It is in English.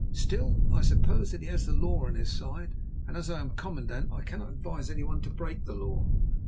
Still, I suppose that he has the law on his side, and, as I am commandant, I cannot advise anyone to break the law.